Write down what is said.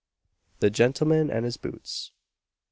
THE GENTLEMAN AND HIS BOOTS.